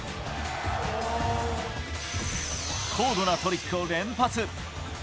高度なトリックを連発。